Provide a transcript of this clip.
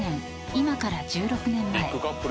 今から１６年前］